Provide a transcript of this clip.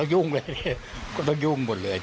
ยังต้องยุ่งบนเลย